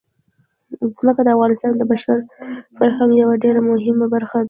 ځمکه د افغانستان د بشري فرهنګ یوه ډېره مهمه برخه ده.